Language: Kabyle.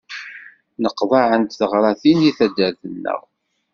Nneqḍaɛent teɣratin deg taddart-nneɣ.